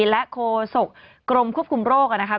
และโคศกกรมควบคุมโรคนะครับ